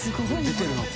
「出てるな声」